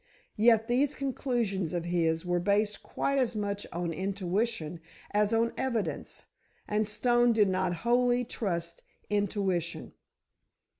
Yet these conclusions of his were based quite as much on intuition as on evidence, and Stone did not wholly trust intuition.